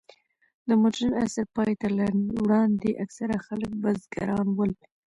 د مډرن عصر پای ته له وړاندې، اکثره خلک بزګران ول.